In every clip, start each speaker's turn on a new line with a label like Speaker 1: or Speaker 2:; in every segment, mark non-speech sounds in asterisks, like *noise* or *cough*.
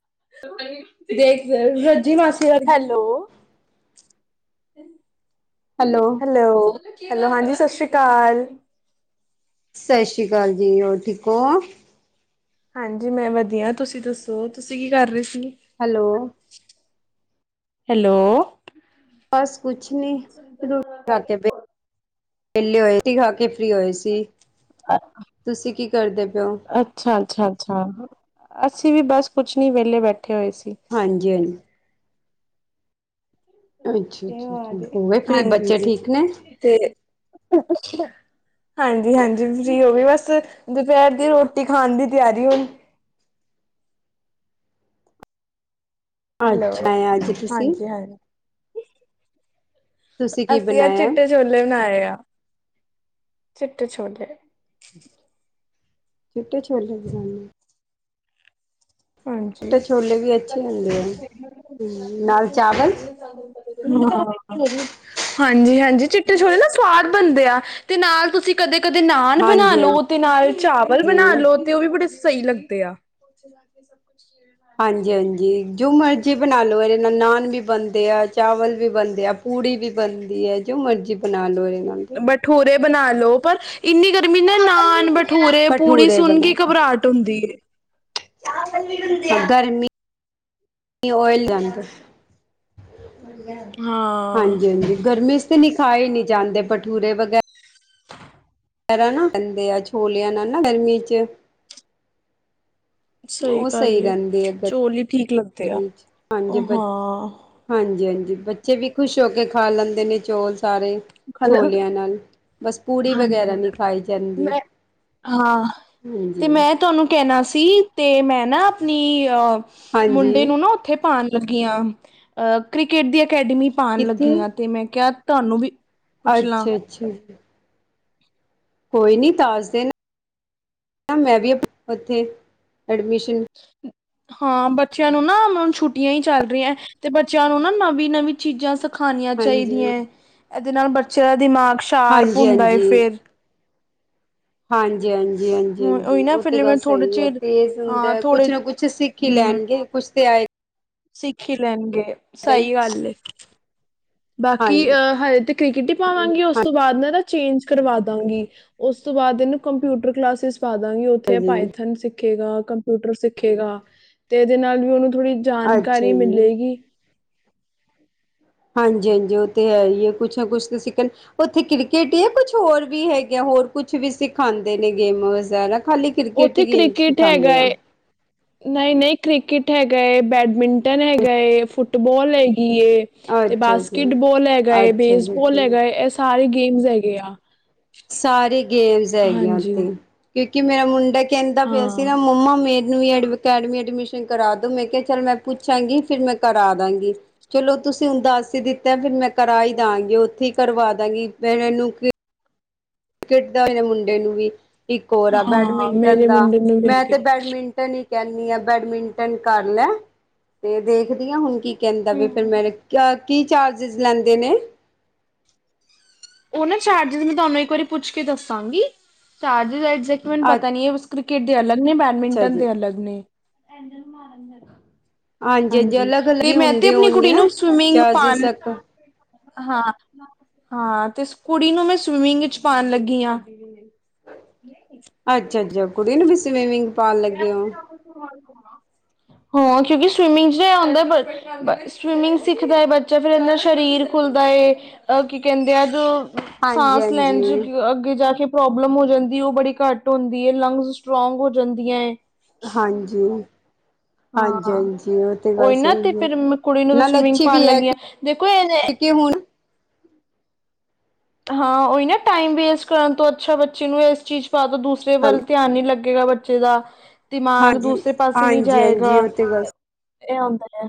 Speaker 1: *unintelligible* ਰੱਜੀ ਮਾਸੀ ਦਾ hello hello hello ਹਾਂਜੀ ਸਤਿ ਸ੍ਰੀ ਅਕਾਲ।
Speaker 2: ਸਤਿ ਸ੍ਰੀ ਅਕਾਲ ਜੀ ਹੋਰ ਠੀਕ ਹੋ?
Speaker 1: ਹਾਂਜੀ ਮੈਂ ਵਧੀਆ ਤੁਸੀਂ ਦੱਸੋ ਤੁਸੀਂ ਕੀ ਕਰ ਰਹੇ ਸੀ?
Speaker 2: ਹੈਲੋ।
Speaker 1: ਹੈਲੋ।
Speaker 2: ਬਸ ਕੁਛ ਨਹੀਂ ਰੋਟੀ ਖਾਂਦੇ ਪਏ। ਵੇਹਲੇ ਹੋਏ ਸੀ ਖਾ ਕੇ ਫ੍ਰਰੀ ਹੋਏ ਸੀ ਤੁਸੀਂ ਕੀ ਕਰਦੇ ਪੇ ਓ?
Speaker 1: ਅੱਛਾ--ਅੱਛਾ ਅਸੀਂ ਵੀ ਬਸ ਕੁਛ ਨੀ ਵੇਹਲੇ ਬੈਠੇ। ਹੋਏ ਸੀ
Speaker 2: ਹਾਂਜੀ ਹਾਂਜੀ ਅੱਛਾ
Speaker 1: ਇਹ
Speaker 2: ਅੱਛਾ
Speaker 1: ਆ
Speaker 2: ਅੱਛਾ
Speaker 1: ਜੀ
Speaker 2: ਹੋ ਗਏ ਫ੍ਰੀ ਬੱਚੇ
Speaker 1: ਹਾਂਜੀ
Speaker 2: ਠੀਕ ਨੇ
Speaker 1: ਤੇ ਹਾਂਜੀ ਹਾਂਜੀ ਫ੍ਰੀ ਹੋ ਵੀ ਬਸ, ਦੁਪਹਿਰ ਦੀ ਰੋਟੀ ਖਾਣ ਦੀ ਤਿਆਰੀ ਹੁਣ। *unintelligible*
Speaker 2: ਅੱਛਾ
Speaker 1: ਹੈਲੋ
Speaker 2: ਹੈ ਅੱਜ ਤੁਸੀਂ
Speaker 1: ਹਾਂਜੀ ਹਾਂਜੀ
Speaker 2: ਤੁਸੀਂ ਕੀ
Speaker 1: ਅਸੀਂ ਆ
Speaker 2: ਬਣਾਇਆ
Speaker 1: ਚਿੱਟੇ ਛੋਲੇ ਬਣਾਏ ਆ, ਚਿੱਟੇ ਛੋਲੇ।
Speaker 2: ਚਿੱਟੇ ਛੋਲੇ ਬਨਾਨੇ ਐ।
Speaker 1: ਹਾਂਜੀ।
Speaker 2: ਚਿੱਟੇ ਛੋਲੇ ਵੀ ਅੱਛੇ ਹੁੰਦੇ ਐ, ਨਾਲ ਚਾਵਲ
Speaker 1: ਹਾਂਜੀ ਹਾਂਜੀ ਚਿੱਟੇ ਛੋੜੇ ਨਾ ਸਵਾਦ ਬਣਦੇ ਆ, ਤੇ ਨਾਲ ਤੁਸੀਂ ਕਦੇ ਕਦੇ ਨਾਨ ਬਣਾ
Speaker 2: ਹਾਂਜੀ
Speaker 1: ਲੋ, ਤੇ ਨਾਲ ਚਾਵਲ ਬਣਾ
Speaker 2: ਹਾਂਜੀ
Speaker 1: ਲੋ, ਤੇ ਉਹ ਵੀ ਬੜੇ ਸਹੀ ਲੱਗਦੇ ਆ। ਸਭ ਕੁਛੇ *unintelligible*
Speaker 2: ਹਾਂਜੀ ਹਾਂਜੀ ਜੋ ਮਰਜੀ ਬਣਾ ਲੋ, ਇਹਦੇ ਨਾਲ ਨਾਨ ਵੀ ਬਣਦੇ ਆ, ਚਾਵਲ ਵੀ ਬਣਦੇ ਆ। ਪੁੜੀ ਵੀ ਬਣਦੀ ਹੈ, ਜੋ ਮਰਜੀ ਬਣਾ ਲੋ ਨਾਲ ਤੇ।
Speaker 1: ਬਠੂਰੇ ਬਣਾ ਲੋ, ਪਰ ਇੰਨੀ ਗਰਮੀ ਨਾ ਨਾਨ ਬਠੂਰੇ ਪੂੜੀ,
Speaker 2: ਭਠੂਰੇ
Speaker 1: ਸੁਨ ਕੇ
Speaker 2: ਬਣਾ
Speaker 1: ਹੀ
Speaker 2: ਲੋ
Speaker 1: ਘਬਰਾਹਟ ਹੁੰਦੀ ਹੈ।
Speaker 2: ਗਰਮੀ ਏ ਔਇਲ ਲਗਾਣਾ ਬਸ।
Speaker 1: ਹਾਂ
Speaker 2: ਹਾਂਜੀ--ਹਾਂਜੀ ਗਰਮੀ ਚ ਤੇ ਨੀ ਖਾਏ ਨੀ ਜਾਂਦੇ ਭਠੂਰੇ ਵਗੈਰਾ।
Speaker 1: *inaudible*
Speaker 2: *unintelligible* ਆ ਛੋਲਿਆਂ ਨਾਲ ਨਾ ਗਰਮੀ ਚ।
Speaker 1: ਸਹੀ
Speaker 2: ਉਹ
Speaker 1: ਗੱਲ ਏ
Speaker 2: ਰਹਿੰਦੇ ਆ
Speaker 1: ਚੋਲ ਇ ਠੀਕ ਲੱਗਦੇ ਆ
Speaker 2: ਗਰਮੀ ਚ
Speaker 1: ਹਾਂ।
Speaker 2: ਹਾਂਜੀ ਹਾਂਜੀ ਬੱਚੇ ਵੀ ਖੁਸ਼ ਹੋ ਕੇ ਖਾ ਲੈਂਦੇ ਨੇ, ਚੌਲ ਸਾਰੇ
Speaker 1: ਖਲ
Speaker 2: ਛੋਲਿਆਂ ਨਾਲ। ਬਸ ਪੂੜੀ ਵਗੈਰਾ
Speaker 1: ਹਾਂਜੀ
Speaker 2: ਨਹੀਂ ਖਾਈ ਜਾਂਦੀ
Speaker 1: ਮੈਂ, ਹਾਂ, ਤੇ
Speaker 2: ਹਾਂਜੀ।
Speaker 1: ਮੈਂ ਤੁਹਾਨੂੰ ਕਹਿਣਾ ਸੀ ਸੀ ਤੇ ਮੈਂ ਨਾ ਆਪਣੀ ਅ
Speaker 2: ਹਾਂਜੀ
Speaker 1: ਮੁੰਡੇ ਨੂੰ ਨਾ, ਉੱਥੇ ਪਾਉਣ ਲੱਗੀਆਂ ਅਹ ਕ੍ਰਿਕਟ ਦੀ ਅਕੈਡਮੀ ਪਾਉਣ ਲੱਗੀ ਆਂ, ਤੇ ਮੈਂ ਕਿਹਾ ਤੁਹਾਨੂੰ ਵੀ ਪੁੱਛ ਲਾਂ
Speaker 2: ਅੱਛਾ ਅੱਛਾ ਕੋਈ ਨੀ ਦਸ ਦਿਨ, ਮੈਂ ਵੀ ਉੱਥੇ ਐਡਮਿਸ਼ਨ
Speaker 1: ਹਾਂ ਬੱਚਿਆਂ ਨੂੰ ਨਾ ਹੁ ਛੁੱਟੀਆਂ ਹੀ ਚੱਲ ਰਹੀਆਂ, ਤੇ ਬੱਚਿਆਂ ਨੂੰ ਨਾ ਨਵੀਂ ਨਵੀਂ ਚੀਜ਼ਾਂ ਸ ਖਣੀਆਂ
Speaker 2: ਹਾਂਜੀ
Speaker 1: ਚਾਹੀਦੀਆਂ ਹੈ, ਇਹਦੇ ਨਾਲ ਬੱਚਿਆਂ ਦਾ ਦਿਮਾਗ ਸ਼ਾਰਪ ਹੁੰਦਾ ਹੈ ਫੇਰ
Speaker 2: ਹਾਂਜੀ ਹਾਂਜੀ ਹਾਂਜੀ
Speaker 1: ਹੁਣ ਉਹੀ
Speaker 2: ਹਾਂਜੀ
Speaker 1: ਨਾ
Speaker 2: ਔਹ ਤੇ
Speaker 1: ਫਿਰ ਮੈਂ
Speaker 2: ਗੱਲ
Speaker 1: ਥੋੜੇ
Speaker 2: ਸਹੀ ਹੈ,
Speaker 1: ਚਿਰ
Speaker 2: ਤੇਜ਼
Speaker 1: ਹਾਂ
Speaker 2: ਹੁੰਦਾ
Speaker 1: ਥੋੜੇ
Speaker 2: ਕੁਛ ਨਾ ਕੁਛ ਸਿੱਖ ਹੀ
Speaker 1: ਹਮ
Speaker 2: ਲੈਣਗੇ, ਕੁਛ ਤੇ ਆਏ
Speaker 1: ਸਿੱਖ ਈ ਲੈਣਗੇ ਸਹੀ ਗੱਲ ਐ। ਬਾਕੀ
Speaker 2: ਹਾਂਜੀ
Speaker 1: ਅਹ ਹਜੇ ਤੇ ਕ੍ਰਿਕਟ ਹੀ ਪਾਵਾਂਗੀ, ਉਸ ਤੋਂ ਬਾਅਦ ਨਾ ਨਾ ਚੇਂਜ ਕਰਵਾ ਦਾਂਗੀ, ਉਸ ਤੋਂ ਬਾਅਦ ਇਹਨੂੰ ਕੰਪਿਊਟਰ ਕਲਾਸਿਸ ਪਾ ਦਾਂਗੀ, ਉੱਥੇ
Speaker 2: ਹਾਂਜੀ
Speaker 1: ਪਾਏਥੋਨ ੇ ਕੰ *unintelligible* ਕੰਪਿਊਟਰ ਸਿੱਖੇਗਾ, ਤੇ ਇਹਦੇ ਨਾਲ ਵੀ ਉਹਨੂੰ ਥੋੜ੍ਹੀ ਜਾਣਕਾਰੀ
Speaker 2: ਅੱਛਾ ਜੀ।
Speaker 1: ਮਿਲੇਗੀ।
Speaker 2: ਹਾਂਜੀ ਹਾਂਜੀ ਉਹ ਤੇ ਹੈ ਹੀ ਹੈ, ਕੁਛ ਨਾ ਕੁੱਛ ਤਾਂ ਸਿੱਖਣ ਉੱਥੇ ਕ੍ਰਿਕਟ ਹੀ ਹੈ, ਕੁਛ ਹੋਰ ਵੀ ਹੈਗਾ। ਹੋਰ ਕੁਛ ਵੀ ਸਿਖਾਉਂਦੇ ਨੇ ਗੇਮ ਵਗੈਰਾ ਖਾਲੀ ਕ੍ਰਿਕੇਟ
Speaker 1: ਉੱਥੇ
Speaker 2: ਹੀ ਗੇਮ
Speaker 1: ਕ੍ਰਿਕਟ ਹੈਗਾ
Speaker 2: ਸਿਖਾਉਂਦੇ ਆ
Speaker 1: ਏ ਨਹੀਂ ਨਹੀਂ ਕ੍ਰਿਕੇਟ ਹੈਗਾ ਏ, ਬੈਡਮਿੰਟਨ ਹੈਗਾ ਏ, ਫੁੱਟਬਾਲ ਹੈਗਾ। ਤੇ
Speaker 2: ਅੱਛਾ ਜੀ
Speaker 1: ਬਾਸਕਿਟਬਾਲ ਹੈਗਾ ਏ,
Speaker 2: ਅੱਛਾ ਜੀ ਅੱਛਾ
Speaker 1: ਬੇਸਬਾਲ ਹੈਗਾ ਏ, ਇਹ ਸਾਰੇ ਗੇਮਸ ਹੈਗੇ ਆ
Speaker 2: ਸਾਰੇ ਗੇਮਸ ਹੈਗੀਆਂ
Speaker 1: ਹਾਂਜੀ
Speaker 2: ਉੱਥੇ ਕਿਉਂ ਕਿ ਮੇਰਾ ਮੁੰਡਾ ਕਹਿੰਦਾ ਪਿਆ ਸੀ
Speaker 1: ਹਾਂ
Speaker 2: ਨਾ ਮੰਮਾ ਮੇਰੀ ਨਵੀ ਅਕੈਡਮੀ ਐਡਮਿਸ਼ਨ ਕਰਾ ਦੋ, ਮੈਂ ਕਿਹਾ ਚੱਲ ਮੈਂ ਪੁੱਛਾਂਗੀ, ਫਿਰ ਮੈਂ ਕਰਾ ਦਾਂਗੀ, ਚਲੋ ਤੁਸੀਂ ਹੁਣ ਦਾਸ ਹੀ ਦਿੱਤਾ, ਫਿਰ ਮੈਂ ਕਰਾ ਹੀ ਦਾਂਗੀ, ਉੱਥੇ ਹੀ ਕਰਵਾ ਦਾਂਗੀ ਫ ਇਹਨੂੰ ਕ੍ਰਿਕੇਟ ਦਾ, ਇਹ ਮੁੰਡੇ ਨੂੰ ਵੀ। ਇੱਕ ਹੋਰ ਆ
Speaker 1: ਹਾਂ
Speaker 2: ਬੈਡਮਿੰਟਨ
Speaker 1: ਮੇਰੇ
Speaker 2: ਦਾ,
Speaker 1: ਮੁੰਡੇ ਨੂੰ ਵੀ
Speaker 2: ਮੈਂ
Speaker 1: ਹੈਗੇ
Speaker 2: ਤੇ ਬੈਡਮਿੰਟਨ ਇੱਕ ਕਹਨੀ ਆ ਬੈਡਮਿੰਟਨ ਕਰ ਲੈ, ਤੇ ਦੇਖਦੀ ਹ ਹੁਣ ਕੀ। ਕਹਿੰਦਾ ਵੀ ਫਿਰ ਮੈਂ, ਕੀ ਚਾਰਜਿਸ ਲੈਂਦੇ ਨੇ?
Speaker 1: ਉਹ ਨਾ ਚਾਰਜ ਮੈਂ ਤੁਹਾਨੂੰ ਇੱਕ ਵਾਰੀ ਪੁੱਛ ਕੇ ਦੱਸਾਂਗੀ ਚਾਰਜਜੈਕਟ ਮੈਨੂੰ ਪਤਾ ਨੀ। ਕ੍ਰਿਕਟ ਦੇ ਅਲੱਗ ਨੇ
Speaker 2: ਅੱਛਾ
Speaker 1: ਬੈਂਡਮਿੰਟਨ
Speaker 2: ਜੀ
Speaker 1: ਦੇ ਅਲੱਗ ਨੇ। ਹਾਂਜੀ
Speaker 2: ਅਲੱਗ ਅਲੱਗ
Speaker 1: ਤੇ
Speaker 2: ਹੀ
Speaker 1: ਮੈਂ ਤੇ
Speaker 2: ਹੁੰਦੇ
Speaker 1: ਆਪਣੀ
Speaker 2: ਹੋਣਗੇ
Speaker 1: ਕੁੜੀ
Speaker 2: ਨਾ
Speaker 1: ਨੂੰ ਸਵਿਮਿੰਗ
Speaker 2: ਚਾਰਜਿਸ
Speaker 1: ਪਾਉਣ
Speaker 2: ਤੱਕ
Speaker 1: ਹਾਂ ਹਾਂ ਤੇ ਕੁੜੀ ਨੂੰ ਮੈਂ ਸਵਿਮਿੰਗ ਵਿੱਚ ਪਾਉਣ ਲੱਗੀ ਹਾਂ।
Speaker 2: ਅੱਛਾ ਅੱਛਾ ਕੁੜੀ ਨੂੰ ਵੀ ਸਵੀਮਿੰਗ ਪਾਣ ਲੱਗੇ ਹੋ?
Speaker 1: ਹਾਂ ਕਿਉਂਕਿ ਸਵਿਮਿੰਗ ਚ ਆਉਂਦਾ ਸਵਿਮਿੰਗ ਸਿੱਖਦਾ ਬੱਚਾ ਫਿਰ ਇਹਦਾ ਸਰੀਰ ਭੁਲਦਾ ਏ ਅਹ ਕੀ ਕਹਿੰਦੇ ਆ ਜੋ
Speaker 2: ਹਾਂਜੀ
Speaker 1: ਸਾਂਸ ਲੈਣ
Speaker 2: ਹਾਂਜੀ
Speaker 1: ਚ ਅੱਗੇ ਜਾ ਕੇ ਪ੍ਰੋਬਲਮ ਹੋ ਜਾਂਦੀ ਉਹ ਬੜੀ ਘੱਟ ਹੁੰਦੀ ਹੈ ਲੰਗਸ ਸਟਰੋਂਗ ਹੋ ਜਾਂਦੀਆਂ ਹੈ।
Speaker 2: ਹਾਂਜੀ। ਹਾਂਜੀ
Speaker 1: ਹਾਂ।
Speaker 2: ਹਾਂਜੀ ਉਹ ਤੇ
Speaker 1: ਉਹੀ
Speaker 2: ਬਸ
Speaker 1: ਨਾ ਤੇ
Speaker 2: ਸਹੀ ਹੈ
Speaker 1: ਫਿਰ ਮੈਂ ਕੁੜੀ ਨੂੰ
Speaker 2: ਨਾਲ
Speaker 1: ਸਵਿਮਿੰਗ
Speaker 2: ਅੱਛੀ
Speaker 1: ਪਾਉਣ
Speaker 2: ਵੀ ਹੈ
Speaker 1: ਲੱਗੀ ਆ ਦੇਖੋ ਇਹ
Speaker 2: ਹੁਣ।
Speaker 1: *inaudible* ਹਾਂ ਉਹੀ ਨਾ ਟਾਈਮ ਵੇਸਟ ਕਰਨ ਤੋਂ ਅੱਛਾ ਬੱਚੇ ਨੂੰ ਇਸ ਚੀਜ਼ ਪਾ ਤੋਂ ਦੂਸਰੇ ਵੱਲ ਧਿਆਨ ਨੀ ਲੱਗ ਇਕੱਲਾ ਬੱਚੇ ਦਾ। ਦਿਮਾਗ
Speaker 2: ਹਾਂਜੀ
Speaker 1: ਦੂਸਰੇ ਪਾਸੇ ਨਹੀਂ
Speaker 2: ਹਾਂਜੀ
Speaker 1: ਜਾਏਗਾ
Speaker 2: ਹਾਂਜੀ ਉਹ ਤੇ ਗੱਲ
Speaker 1: ਇਹ ਹਉਂਦਾ ਹੈ।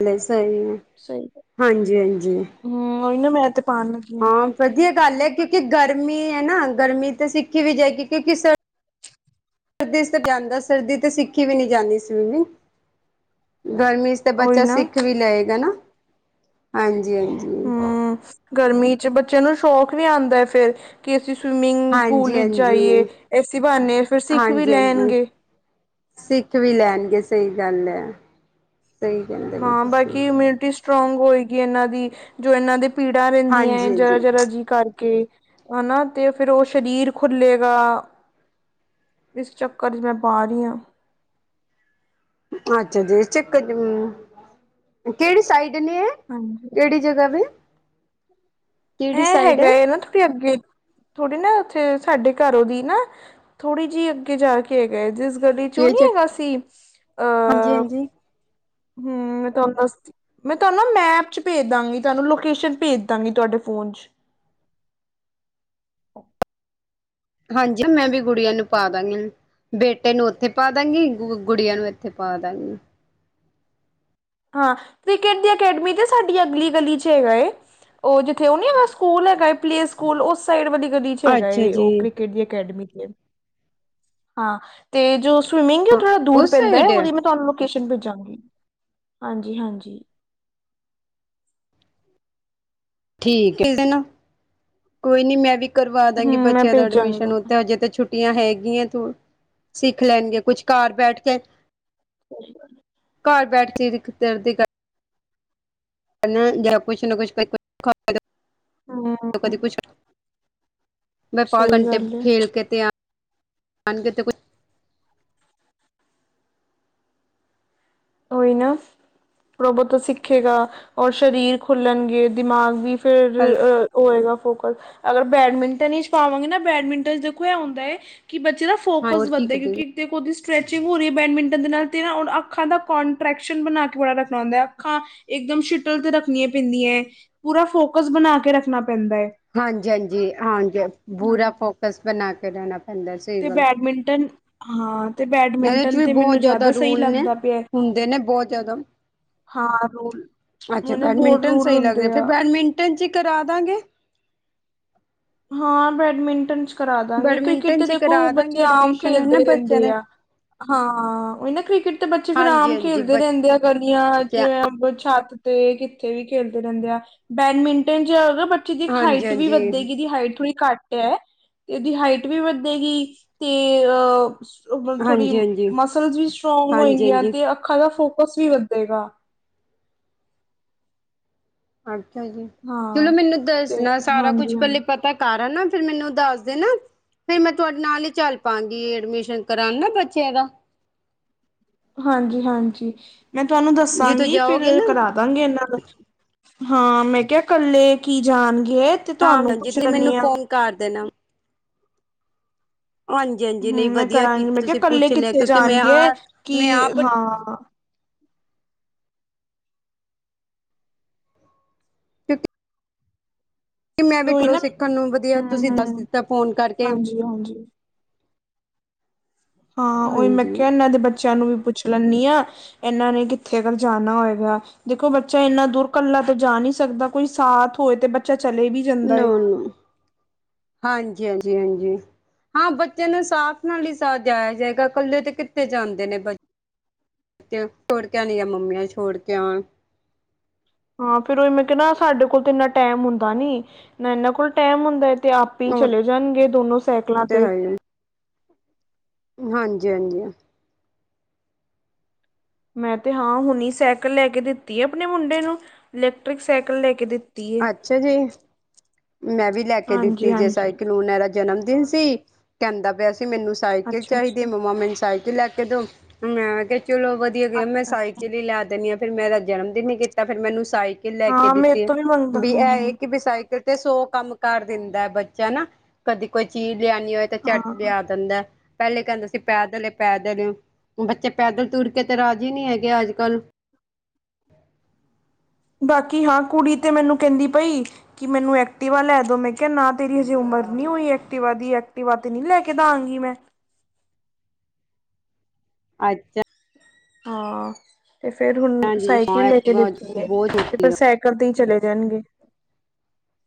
Speaker 2: ਸਹੀ ਆ
Speaker 1: ਸਹੀ
Speaker 2: ਹਾਂਜੀ ਹਾਂਜੀ।
Speaker 1: ਹਮ ਉਹੀ ਨਾ ਮੈਂ ਤੇ ਪਾਉਣ ਲੱਗੀ
Speaker 2: ਹਾਂ ਵਧੀਆ। ਹਾਲੇ ਕਿਉਂਕਿ ਗਰਮੀ ਹੈ ਨਾ, ਗਰਮੀ ਤੇ ਸਿੱਖੀ ਵੀ ਜਾਏਗੀ ਕਿਉਂਕਿ ਸਰਦੀ ਤੇ ਜਾਂਦਾ, ਸਰਦੀ ਤੇ ਸਿੱਖੀ ਵੀ ਨਹੀਂ ਜਾਂਦੀ ਸਵਿਮਿੰਗ। ਗਰਮੀ ਚ ਤਾਂ
Speaker 1: ਉਹੀ
Speaker 2: ਬੱਚਾ
Speaker 1: ਨਾ
Speaker 2: ਸਿੱਖ ਵੀ ਲਏਗਾ ਨਾ, ਹਾਂਜੀ ਹਾਂਜੀ।
Speaker 1: ਹਮ ਗਰਮੀ ਬੱਚਿਆਂ ਨੂੰ ਸ਼ੌਕ ਵੀ ਆਉਂਦਾ ਹੈ ਫੇਰ ਕਿ ਅਸੀਂ ਸਵਿਮਿੰਗ ਪੂਲ
Speaker 2: ਹਾਂਜੀ
Speaker 1: ਵਿੱਚ
Speaker 2: ਹਾਂਜੀ
Speaker 1: ਜਾਈਏ, ਇਸੀ ਬਹਾਨੇ ਫਿਰ ਸਿੱਖ ਵੀ
Speaker 2: ਹਾਂਜੀ ਹਾਂਜੀ
Speaker 1: ਲੈਣਗੇ।
Speaker 2: ਸਿੱਖ ਵੀ ਲੈਣਗੇ ਸਹੀ ਗੱਲ ਹੈ। ਸਹੀ ਕਹਿੰਦੇ ਵੀ
Speaker 1: ਹਾਂ
Speaker 2: ਤੁ
Speaker 1: ਬਾਕੀ ਇਮਿਊਨਿਟੀ ਸਟਰੋਂਗ ਹੋਏਗੀ ਇਹਨਾਂ ਦੀ ਜੋ ਇਹਨਾਂ ਦੇ ਪੀੜਾਂ ਰਹਿੰਦੀ ਆਂਏ
Speaker 2: ਹਾਂਜੀ
Speaker 1: ਜ਼ਰਾ
Speaker 2: ਹਾਂਜੀ
Speaker 1: ਜ਼ਰਾ ਜੀ ਕਰ ਕੇ ਹਨਾ ਤੇ ਫਿਰ ਉਹ ਸਰੀਰ ਖੁੱਲੇਗਾ। ਇਸ ਚੱਕਰ 'ਚ ਮੈਂ ਪਾ ਰਹੀ ਹਾਂ।
Speaker 2: ਅੱਛਾ ਜੀ ਚੱਕ ਕਿਹੜੀ ਸਾਈਡ? ਕਿਨ ਹੈ
Speaker 1: ਹਾਂਜੀ
Speaker 2: ਕਿਹੜੀ ਜਗ੍ਹਾ ਤੇ?
Speaker 1: ਇਹਂ ਹੈਗਾ ਨਾ ਥੋੜੀ ਅੱਗੇ ਥੋੜੀ ਨਾ ਉੱਥੇ ਸਾਡੇ ਘਰੋਂ ਦੀ ਨਾ ਥੋੜੀ ਜਿਹੀ ਅੱਗੇ ਜਾ ਕੇ ਹੈਗਾ ਜਿਸ ਤੁਡੇ ਚੋਂ ਨ ਹੈਗਾ
Speaker 2: ਹਾਂਜੀ
Speaker 1: ਸੀ ਅਹ
Speaker 2: ਹਾਂਜੀ
Speaker 1: ਹਮ ਮੈਂ ਤੁਹਾਨੂੰ ਦ ਮੈਂ ਤੁਹਾਨੂੰ ਨਾ ਮੈਪ ਚ ਭੇਜ ਦਾਂਗੀ ਤੁਹਾਨੂੰ ਲੋਕੇਸ਼ਨ ਭੇਜ ਦਾਂਗੀ ਤੁਹਾਡੇ ਫੋਨ ਪੂੰਜ।
Speaker 2: ਹਾਂਜੀ ਮੈਂ ਵੀ ਗੁੜੀਆਂ ਨੂੰ ਪਾ ਦਾਂਗੀ। ਬੇਟੇ ਨੂੰ ਉੱਥੇ ਪਾ ਦਾਂਗੀ ਗ ਗੁੜੀਆਂ ਨੂੰ ਇੱਥੇ ਪਾ ਦਾਂਗੀ।
Speaker 1: ਹਾਂ ਕ੍ਰਿਕਟ ਦੀ ਅਕੈਡਮੀ ਤੇ ਸਾਡੀ ਅਗਲੀ ਗਲੀ ਚ ਹੈਗਾ। ਉਹ ਜਿੱਥੇ ਉਹ ਨੀ ਸਕੂਲ ਹੈਗਾ ਏ ਪਲੇ ਸਕੂਲ ਉਸ ਸਾਈਡ ਵਾਲੀ ਕਦੀ ਚ ਹੈਗਾ
Speaker 2: ਅੱਛਾ ਜੀ।
Speaker 1: ਉਹ ਕ੍ਰਿਕਟ ਦੀ ਅਕੈਡਮੀ ਤੇ ਹਾਂ ਤੇ ਜੋ ਸਵਿਮਿੰਗ ਉਹ ਥੋੜਾ ਦੂਰ
Speaker 2: ਉਸ
Speaker 1: ਪੈਂਦਾ
Speaker 2: ਸਾਈਡ
Speaker 1: ਉਹਦੀ ਮੈਂ ਤੁਹਾਨੂੰ ਲੋਕੇਸ਼ਨ ਭੇਜਾਂਗੀ। ਹਾਂਜੀ ਹਾਂਜੀ।
Speaker 2: ਠੀਕ ਕਿਸ ਕੋਈ ਨੀ ਮੈਂ ਵੀ ਕਰਵਾ
Speaker 1: ਹੂੰ
Speaker 2: ਦਾਂਗੀ
Speaker 1: ਮੈਂ
Speaker 2: ਬੱਚਿਆਂ ਦਾ
Speaker 1: ਭੇਜਾਂਗੀ
Speaker 2: ਐਡਮਿਸ਼ਨ
Speaker 1: ਤੁਹਾਨੂੰ
Speaker 2: ਉਥ ਹਜੇ ਤਾਂ ਛੁੱਟੀ ਛੁਟੀਆਂ ਹੈਗੀਆਂ ਤੂੰ ਸਿੱਖ ਲੈਣਗੇ ਕੁਛ ਘਰ ਬੈਠ ਕੇ
Speaker 1: ਸਤਿ ਸ੍ਰੀ ਅਕਾਲ ਜੀ।
Speaker 2: ਘਰ ਬੈਠ ਕੇ ਕੀ ਕਰਦੀ ਕਰਦੀ। ਹਨਾ ਜਾਂ ਕੁਛ ਨਾ ਕੁਛ । ਕਦੀ
Speaker 1: ਹੂੰ।
Speaker 2: ਕੁਛ ਮੈਂ ਬਾਹਰ
Speaker 1: ਸਹੀ
Speaker 2: ਘੰਟੇ
Speaker 1: ਗੱਲ ਏ
Speaker 2: ਖੇਲ ਕੇ ਤੇ ਆ। ਆਉਂਦੇ ਤੇ ਕੋਈ।
Speaker 1: ਕੋਈ ਨਾ। ਰੋਬੋ ਤੋਂ ਸਿੱਖੇਗਾ ਔਰ ਸਰੀਰ ਖੁੱਲਣਗੇ ਦਿਮਾਗ ਵੀ। ਫਿਰ ਉਹ ਹੈਗਾ ਫੋਕਲ ਅਗਰ ਬੈਡਮਿੰਟਨ ਹੀ ਸਿਖਾਵਾਂਗੇ ਨਾ ਬੈਡਮਿੰਟਨ 'ਚ ਦੇਖੋ ਇਹ ਹੁੰਦਾ ਏ ਕੀ ਬੱਚੇ ਦਾ ਫੋਕਸ
Speaker 2: ਹੋਰ ਕੀ
Speaker 1: ਵੱਧਦਾ
Speaker 2: ਕਰਦੇ
Speaker 1: ਕਿਉਂਕਿ ਇੱਕ ਤੇ ਉਹਦੀ ਸਟਰੈਚਿੰਗ ਹੋ ਰਹੀ ਹੈ ਬੈਡਮਿੰਟਨ ਦੇ ਨਾਲ ਤਾਂ ਨਾ ਹੁਣ ਅੱਖਾਂ ਦਾ ਕੋਂਟਰੈਕਸ਼ਨ ਬਣਾ ਕੇ ਬੜਾ ਰੱਖਣਾ ਹੁੰਦਾ ਅੱਖਾਂ ਇਕਦਮ ਸ਼ਿਟਲ ਤੇ ਰੱਖਣੀਆਂ ਪੈਂਦੀਆਂ ਪੂਰਾ ਫੋ ਫੋਕਸ ਬਣਾ ਕੇ ਰੱਖਣਾ ਪੈਂਦਾ ਹੈ
Speaker 2: ਹਾਂਜੀ-ਹਾਂਜੀ ਹਾਂਜੀ ਪੂਰਾ ਫੋਕਸ ਬਣਾ ਕੇ ਰਹਿਣਾ ਪੈਂਦਾ ਸਹੀ
Speaker 1: ਤੇ
Speaker 2: ਗੱਲ
Speaker 1: ਬੈਡਮਿੰਟਨ ਹਾਂ ਤੇ
Speaker 2: ਇਹਦੇ ਚ
Speaker 1: ਬੈਡਮਿੰਟਨ
Speaker 2: ਵੀ
Speaker 1: ਤੇ
Speaker 2: ਬਹੁਤ
Speaker 1: ਮੈਨੂੰ ਜ਼ਿਆਦਾ ਸਹੀ
Speaker 2: ਰੂਲ ਨੇ
Speaker 1: ਲੱਗਦਾ ਪਿਆ।
Speaker 2: ਹੁੰਦੇ ਨੇ ਬਹੁਤ ਜ਼ਿਆਦਾ
Speaker 1: ਹਾਂ ਰੋਲ
Speaker 2: ਅੱਛਾ ਬੈਡਮਿੰਟਨ ਸਹੀ ਲੱਗਦਾ ਫਿਰ ਬੈਡਮਿੰਟਨ 'ਚ ਕਰਾਦਾਂਗੇ।
Speaker 1: *inaudible* ਹਾਂ ਬੈਡਮਿੰਟਨ 'ਚ ਕਰਾਦਾਂਗੇ ਕ੍ਰਿਕਟ
Speaker 2: ਬੈਡਮਿੰਟਨ
Speaker 1: ਤੇ
Speaker 2: ਚ
Speaker 1: ਦੇਖੋ
Speaker 2: ਕਰਾ ਦਾਂਗੇ
Speaker 1: ਬੱਚੇ ਆਮ
Speaker 2: ਐਡਮਿਸ਼ਨ ਹਨਾ
Speaker 1: ਖੇਲਦੇ
Speaker 2: ਬੱਚਿਆਂ
Speaker 1: ਰਹਿੰਦੇ
Speaker 2: ਦੇ
Speaker 1: ਆ। ਹਾਂ ਉਹੀ ਨਾ ਕ੍ਰਿਕਟ ਤੇ ਬੱਚੇ ਫੇਰ
Speaker 2: ਹਾਂਜੀ
Speaker 1: ਆਮ
Speaker 2: ਹਾਂਜੀ
Speaker 1: ਖੇਲਦੇ ਰਹਿੰਦੇ ਆ ਗਰਮੀਆਂ
Speaker 2: ਬੱਚਿਆਂ
Speaker 1: ਜਿਵੇਂ ਛੱਤ ਤੇ ਕਿੱਥੇ ਵੀ ਖੇਲਦੇ ਰਹਿੰਦੇ ਆ ਬੈਡਮਿੰਟਨ 'ਚ ਨਾ ਬੱਚੇ ਦੀ
Speaker 2: ਹਾਂਜੀ
Speaker 1: ਹਾਈਟ ਵੀ
Speaker 2: ਹਾਂਜੀ
Speaker 1: ਵੱਧੇਗੀ। ਥੋੜ੍ਹੀ ਘੱਟ ਐ, ਤੇ ਉਹਦੀ ਹਾਈਟ ਵੀ ਵਧੇਗੀ ਤੇ ਆ ਉਮਰ ਥੋੜੀ
Speaker 2: ਹਾਂਜੀ ਹਾਂਜੀ
Speaker 1: ਮਸਲਜ਼ ਵੀ ਸਟਰੋਂਗ
Speaker 2: ਹਾਂਜੀ
Speaker 1: ਹੋਏਗੀਆਂ
Speaker 2: ਹਾਂਜੀ
Speaker 1: ਤੇ ਅੱਖਾਂ ਦਾ ਫੋਕਸ ਫੋਕਸ ਵੀ ਵਧੇਗਾ।
Speaker 2: ਅੱਛਾ ਜੀ ਚਲੋ
Speaker 1: ਹਾਂ
Speaker 2: ਮੈਨੂੰ
Speaker 1: ਤੇ
Speaker 2: ਦੱਸਣਾ ਸਾਰਾ
Speaker 1: ਹਾਂਜੀ
Speaker 2: ਕੁਛ ਪਹਿਲੇ
Speaker 1: ਹਾਂਜੀ
Speaker 2: ਪਤਾ ਕਰ ਨਾ। ਫਿਰ ਮੈਨੂੰ ਦੱਸ ਦੇ ਨਾ। ਫਿਰ ਮੈਂ ਤੁਹਾਡੇ ਨਾਲ ਹੀ ਚੱਲ ਪਾਗੀ ਐਡਮਿਸ਼ਨ ਕਰਾਉਂਣ ਨਾ ਬੱਚਿਆਂ ਦਾ।
Speaker 1: *inaudible* ਹਾਂਜੀ-ਹਾਂਜੀ ਮੈਂ ਤੁਹਾਨੂੰ
Speaker 2: ਜਿੱਥੋਂ
Speaker 1: ਦੱਸਾਂਗੀ ਫਿਰ
Speaker 2: ਜਾਓਗੇ ਨਾ
Speaker 1: ਕਰਾਦਾਂਗੇ ਇਹਨਾਂ ਨੂੰ। ਹਾਂ ਮੈਂ ਕਿਹਾ ਕੱਲੇ ਕੀ ਜਾਣ ਗੇ ਤੇ
Speaker 2: ਹਾਂ
Speaker 1: ਤੁਹਾਨੂੰ
Speaker 2: ਹਾਂਜੀ
Speaker 1: ਪੁੱਛ
Speaker 2: ਤੁਸੀਂ ਮੈਨੂੰ
Speaker 1: ਲੈਣੀ ਆ।
Speaker 2: ਫੋਨ ਕਰ ਦੇਣਾ ਹਾਂਜੀ ਹਾਂਜੀ
Speaker 1: ਹੂੰ
Speaker 2: ਨਹੀਂ
Speaker 1: ਮੈਂ
Speaker 2: ਵਧੀਆ
Speaker 1: ਕਰਾਂਗੀ
Speaker 2: ਕੀਤਾ
Speaker 1: ਮੈਂ ਕਿਹਾ
Speaker 2: ਤੁਸੀਂ
Speaker 1: ਇਕੱਲੇ
Speaker 2: ਪੁੱਛ ਲਿਆ
Speaker 1: ਕਿੱਥੇ
Speaker 2: ਕਿਉਂਕਿ ਮੈਂ
Speaker 1: ਜਾਣਗੇ
Speaker 2: ਆ
Speaker 1: ਕੀ
Speaker 2: ਮੈਂ ਆਪ
Speaker 1: ਹਾਂ *inaudible*
Speaker 2: ਕਿ ਮੈਂ ਵੀ
Speaker 1: ਉਹੀ
Speaker 2: ਘਰੋਂ
Speaker 1: ਨਾ
Speaker 2: ਸਿੱਖਣ ਨੂੰ ਵਧੀਆ
Speaker 1: ਹੂੰ
Speaker 2: ਤੁਸੀਂ
Speaker 1: ਹੂੰ
Speaker 2: ਦੱਸ ਦਿੱਤਾ ਫੋਨ ਕਰਕੇ।
Speaker 1: ਹਾਂਜੀ ਹਾਂਜੀ ਹਾਂ ਉਹੀ ਮੈਂ
Speaker 2: ਹਾਂਜੀ
Speaker 1: ਕਿਹਾ ਇਹਨਾਂ ਦੇ ਬੱਚਿਆਂ ਨੂੰ ਵੀ ਪੁੱਛ ਲੈਨੀ ਆ ਇਹਨਾਂ ਨੇ ਕਿੱਥੇ ਅਗਰ ਜਾਣਾ ਹੋਏਗਾ ਦੇਖੋ ਬੱਚਾ ਇੰਨਾ ਦੂਰ ਕੱਲਾ ਤੇ ਜਾ ਨਹੀਂ ਸਕਦਾ ਕੋਈ ਸਾਥ ਹੋਏ ਤੇ ਬੱਚਾ ਚਲੇ ਵੀ ਜਾਂਦਾ ਏ
Speaker 2: ਨੋ-ਨੋ, ਹਾਂਜੀ ਹਾਂਜੀ ਹਾਂਜੀ। ਹਾਂ ਬੱਚੇ ਨੂੰ ਸਾਥ ਨਾਲ ਹੀ ਸਜਾਇਆ ਜਾਏਗਾ ਕੱਲੇ ਤੇ ਕਿੱਥੇ ਜਾਂਦੇ ਨੇ ਬੱਚੇ। ਪਿਉ ਛੋੜ ਕੇ ਆਉਂਣ ਜਾ ਮੰਮੀਆਂ ਛੋੜ ਕੇ ਆਉਣ।
Speaker 1: ਹਾਂ ਫੇਰ ਉਹ ਮੈਂ ਕਿਹਾ ਨਾ ਸਾਡੇ ਕੋਲ ਤੇ ਇੰਨਾ ਟਾਈਮ ਹੁੰਦਾ ਨੀ ਨਾ ਇਹਨਾਂ ਕੋਲ ਟਾਈਮ ਹੁੰਦਾ। ਤੇ ਆਪੇ
Speaker 2: ਉਹ
Speaker 1: ਚਲੇ ਜਾਣਗੇ ਦੋਨੋ ਸਾਈਕਲਾਂ ਤੇ।
Speaker 2: ਹਾਂਜੀ-ਹਾਂਜੀ।
Speaker 1: ਮੈਂ ਤੇ ਹਾਂ ਹੁਣੀ ਸਾਈਕਲ ਲੈ ਕੇ ਦਿੱਤੀ ਹੈ ਆਪਣੇ ਮੁੰਡੇ ਨੂੰ ਇਲੈਕਟ੍ਰਿਕ ਸਾਈਕਲ ਲੈ ਕੇ ਦਿੱਤੀ ਏ।
Speaker 2: ਅੱਛਾ ਜੀ। ਮੈਂ ਵੀ ਲੈ ਕੇ
Speaker 1: ਹਾਂਜੀ
Speaker 2: ਦਿੱਤੀ ਜੇ
Speaker 1: ਹਾਂਜੀ
Speaker 2: ਸਾਈਕਲ ਉਹਨਾਂ ਦਾ ਜਨਮ ਦਿਨ ਸੀ, ਕਹਿੰਦਾ ਪਿਆ ਸੀ ਕਿ ਮੈਨੂੰ ਸਾਈਕਲ
Speaker 1: ਅੱਛਾ
Speaker 2: ਚਾਹੀਦੀ ਹੈ
Speaker 1: ਅੱਛਾ
Speaker 2: ਮੰਮਾ ਮੈਨੂੰ ਸਾਈਕਲ ਲੈ ਕੇ ਦੋ ਮੈਂ ਕਿਹਾ ਚਲੋ ਵਧੀਆ ਗਿਆ ਮੈਂ
Speaker 1: ਅੱਛਾ ਅੱਛਾ
Speaker 2: ਸਾਈਕਲ ਹੀ ਲੈ ਦਿੰਨੀ ਆ ਫ਼ਿਰ ਮੈਂ ਇਹਦਾ ਜਨਮ ਦਿਨ ਨਹੀਂ ਕੀਤਾ ਫਿਰ ਮੈ ਇਹਨੂੰ ਸਾਈ ਕਲ ਕੇ ਲੈ ਕੇ
Speaker 1: ਹਾਂ ਮੇਰੇ
Speaker 2: ਦਿੱਤੀ ਹੈ।
Speaker 1: ਤੋਂ ਮੰਗਦਾ
Speaker 2: ਵੀ
Speaker 1: ਹਾਂ
Speaker 2: ਇਹ ਕਿ ਸਾਈਕਲ ਤੇ ਸੌ ਕੰਮ ਕਰ ਦਿੰਦਾ ਹੈ ਬੱਚਾ ਨਾ, ਕਦੀ ਕੋਈ ਚੀਜ ਲਿਆਣੀ ਹੋਏ ਤਾਂ ਝੱਟ
Speaker 1: ਹਾਂ
Speaker 2: ਲਿਆ ਦਿੰਦਾ ਪਹਿਲੇ ਕਹਿੰਦਾ ਸੀ ਪੈਦਲ ਏ ਪੈਦਲ ਬੱਚੇ ਪੈਦਲ ਤੁਰ ਕੇ ਤੇ ਰਾਜ਼ੀ ਨਹੀ ਹੈਗੇ ਅੱਜਕੱਲ।
Speaker 1: *inaudible* ਬਾਕੀ ਹਾਂ ਕੁੜੀ ਤੇ ਮੈਨੂੰ ਕਹਿੰਦੀ ਪਈ, ਕਿ ਮੈਨੂੰ ਐਕਟਿਵਾ ਲੈ ਦੋ ਮੈਂ ਕਿਹਾ ਨਾ ਤੇਰੀ ਹਜੇ ਉਮਰ ਨੀ ਹੋਈ ਐਕਟੀਵਾ ਦੀ ਐਕਟੀਵਾ ਤੇ ਨਹੀਂ ਲੈ ਕੇ ਦਵਾਂਗੀ ਮੈਂ।
Speaker 2: ਅੱਛਾ
Speaker 1: ਹਾਂ ਤੇ ਫੇਰ ਹੁਣ
Speaker 2: ਹਾਂਜੀ
Speaker 1: ਸਾਈਕਲ ਲੈ ਕੇ ਦਿੱਤੀ ਹੈ
Speaker 2: ਬਹੁਤ
Speaker 1: ਤੇ
Speaker 2: ਛੋਟੀ
Speaker 1: ਫਿਰ
Speaker 2: ਆ
Speaker 1: ਸਾਈਕਲ ਤੇ ਹੀ ਚਲੇ ਜਾਣਗੇ।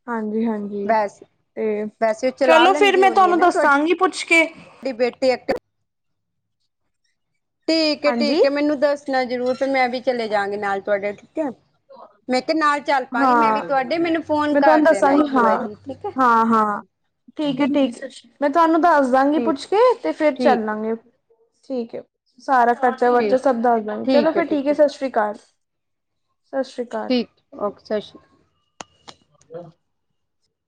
Speaker 1: ਹਾਂਜੀ-ਹਾਂਜੀ
Speaker 2: ਬਸ
Speaker 1: ਤੇ,
Speaker 2: ਵੈਸੇ ਉਹ ਚਲਾ
Speaker 1: ਚਲੋ ਫਿਰ,
Speaker 2: ਲੈਂਦੀ
Speaker 1: ਮੈਂ
Speaker 2: ਹੋਣੀ ਹੈ
Speaker 1: ਤੁਹਾਨੂੰ
Speaker 2: ਨਾ ਤੁਹਾਡੀ
Speaker 1: ਦੱਸਾਂਗੀ ਪੁੱਛਕੇ।
Speaker 2: ਬੇਟੀ ਐਕਟਿਵਾ ਠੀਕ ਏ,
Speaker 1: ਹਾਂਜੀ
Speaker 2: ਠੀਕ ਏ, ਮੈਨੂੰ ਦੱਸਣਾ ਜਰੂਰ ਫੇਰ ''ਮੈਂ ਵੀ ਚਲੇ ਜਾਂਗੀ ਨਾਲ ਤੁਹਾਡੇ, ਠੀਕ ਹੈ। ਮੈਂ ਕਿਹਾ ਨਾਲ ਚੱਲ
Speaker 1: ਹ *inaudible*
Speaker 2: ਪਾਂਗੀ ਮੈਂ ਵੀ
Speaker 1: ਹਾਂ,
Speaker 2: ਤੁਹਾਡੇ ਮੈਨੂੰ ਫੋਨ
Speaker 1: ਮੈਂ ਤੁਹਾਨੂੰ
Speaker 2: ਕਰ ਦੇਣਾ
Speaker 1: ਦੱਸਾਂਗੀ।
Speaker 2: ਇੱਕ
Speaker 1: ਹਾਂ,
Speaker 2: ਵਾਰੀ ਠੀਕ ਹੈ
Speaker 1: ਹਾਂ, ਹਾਂ। ਠੀਕ ਏ, ਠੀਕ, ਮੈਂ ਤੁਹਾਨੂੰ ਦੱਸ ਦਾਂਗੀ
Speaker 2: ਠੀਕ
Speaker 1: ਪੁੱਛਕੇ, ਤੇ ਫੇਰ
Speaker 2: ਠੀਕ
Speaker 1: ਚੱਲਾਂਗੇ ਠੀਕ ਏ, ਸਾਰਾ ਖਰਚਾ, ਵਰਚਾ
Speaker 2: ਠੀਕ
Speaker 1: ਸਭ ਦੱਸ ਦਵਾਗੇ, ਚਲੋ ਫਿਰ ਠੀਕ ਹੈ। ਸਤਿ ਸ੍ਰੀ ਅਕਾਲ। ਸਤਿ ਸ੍ਰੀ ਅਕਾਲ
Speaker 2: ਠੀਕ, ਓਕੇ। ਸਤਿ ਸ਼੍ਰੀ ਅਕਾਲ!
Speaker 1: ਹ *inaudible*